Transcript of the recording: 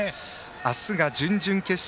明日が準々決勝。